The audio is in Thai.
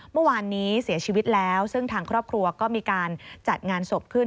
เมื่อวานนี้เสียชีวิตแล้วซึ่งทางครอบครัวก็มีการจัดงานศพขึ้น